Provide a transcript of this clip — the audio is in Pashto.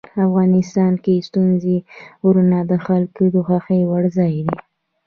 افغانستان کې ستوني غرونه د خلکو د خوښې وړ ځای دی.